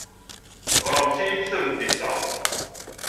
Ɣremt-iyi-d tameddit-a.